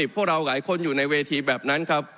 พวกเราหลายคนอยู่ในเวทีแบบนั้นครับ